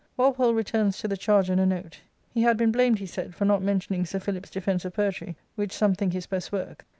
Walpole returns to the charge in a note. He had been blamed, he said, "for not mentioning Sir Philip's Defence of Poetry, which some think his best work.